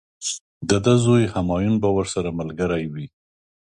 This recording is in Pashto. د ده زوی همایون به ورسره ملګری وي.